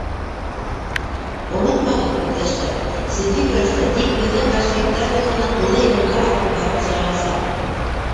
Онотмағыҙ, иптәштәр, синфи көрәштә тик беҙҙең большевиктар юлы ғына тулы еңеүгә алып барып сығарасаҡ.